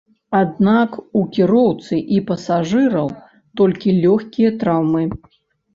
Аднак у кіроўцы і пасажыраў толькі лёгкія траўмы.